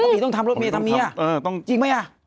ไม่ต้องทำรถเมย์ทำเมียจริงมั้ย